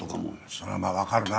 それはまぁわかるな。